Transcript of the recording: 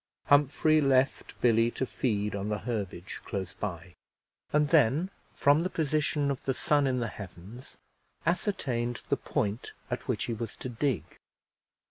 Humphrey left Billy to feed on the herbage close by, and then, from the position of the sun in the heavens, ascertained the point at which he was to dig.